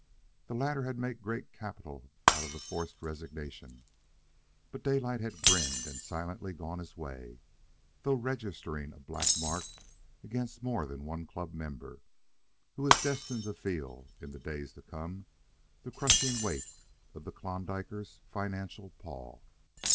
The latter had made great capital out of the forced resignation, but Daylight had grinned and silently gone his way, though registering a black mark against more than one club member who was destined to feel, in the days to come, the crushing weight of the Klondiker's financial paw.